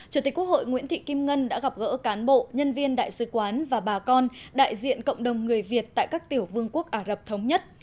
chủ tịch quốc hội nguyễn thị kim ngân đã gặp gỡ cán bộ nhân viên đại sứ quán và bà con đại diện cộng đồng người việt tại các tiểu vương quốc ả rập thống nhất